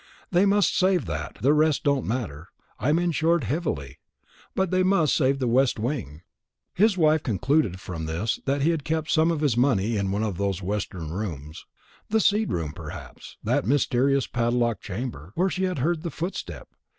"They must save that; the rest don't matter I'm insured heavily; but they must save the west wing." His wife concluded from this that he had kept some of his money in one of those western rooms. The seed room perhaps, that mysterious padlocked chamber, where she had heard the footstep.